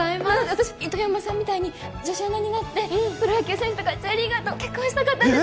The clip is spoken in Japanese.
私糸山さんみたいに女子アナになってプロ野球選手とかＪリーガーと結婚したかったんです